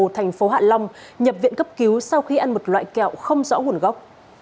thành phố hạ long nhập viện cấp cứu sau khi ăn một loại kẹo không rõ nguồn gốc